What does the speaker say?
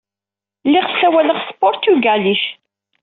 Lliɣ ssawaleɣ s tpuṛtugalit.